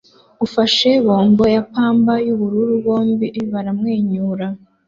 ufashe bombo ya pamba yubururu bombi baramwenyura